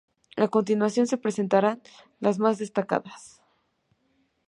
A continuación se presentan las más destacadas.